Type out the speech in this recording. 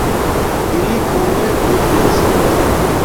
Ili kune vivis.